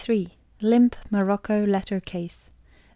LIMP MOROCCO LETTER CASE.